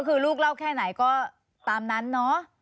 คือลูกเล่าแค่ไหนก็ตามนั้นเนาะ